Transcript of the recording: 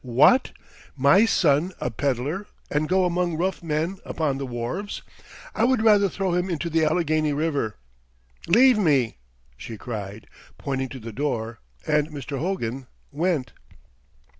"What! my son a peddler and go among rough men upon the wharves! I would rather throw him into the Allegheny River. Leave me!" she cried, pointing to the door, and Mr. Hogan went.